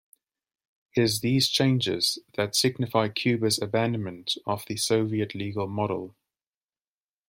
It is these changes that signify Cuba's abandonment of the Soviet legal model.